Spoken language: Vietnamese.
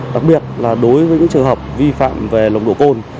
đặc biệt là đối với những trường hợp vi phạm về nồng độ cồn